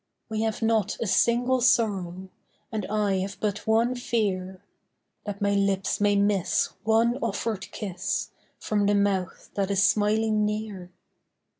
We have not a single sorrow, And I have but one fear— That my lips may miss one offered kiss From the mouth that is smiling near.